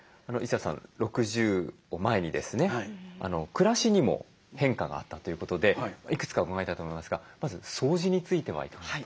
暮らしにも変化があったということでいくつか伺いたいと思いますがまず掃除についてはいかがですか？